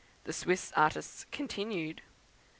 The Swiss Artists continued; 24.